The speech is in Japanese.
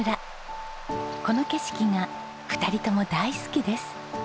この景色が２人とも大好きです。